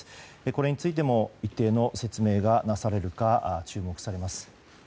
これについても一定の説明がなされるか注目されます。